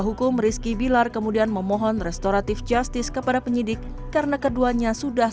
hukum rizky bilar kemudian memohon restoratif justice kepada penyidik karena keduanya sudah